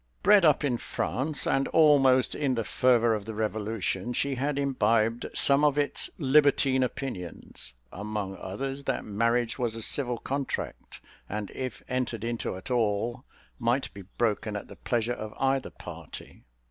Bred up in France, and almost in the fervour of the Revolution, she had imbibed some of its libertine opinions; among others, that marriage was a civil contract, and if entered into at all, might be broken at the pleasure of either party.